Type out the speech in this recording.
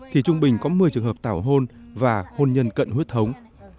thì trung bình có một mươi trường hợp tảo hôn và hôn nhân cận huyết thống